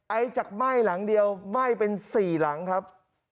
จากไหม้หลังเดียวไหม้เป็น๔หลังครับ